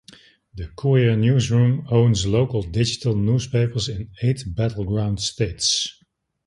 The Courier Newsroom owns local digital newspapers in eight battleground states.